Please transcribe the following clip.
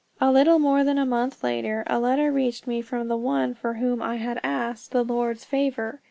A little more than a month later, a letter reached me from the one for whom I had asked the Lord's favor.